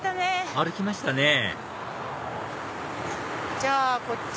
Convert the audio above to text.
歩きましたねじゃあこっち！